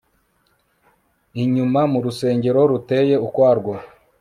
Inyuma mu rusengero ruteye ukwarwo